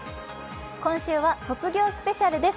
今週は卒業スペシャルです。